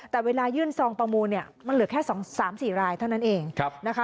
แต่เวลายื่นซองประมูลเนี่ยมันเหลือแค่๒๓๔รายเท่านั้นเองนะคะ